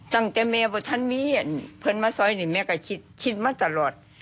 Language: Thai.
ตั้งแต่แม่ว่าฉันมีเพื่อนมาซอยแม่ก็คิดมาตลอด